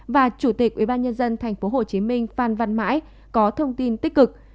và chủ tịch ubnd tp hcm phan văn mãi có thông tin tích cực